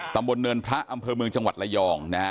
ตำบลเนินพระอำเภอเมืองจังหวัดระยองนะฮะ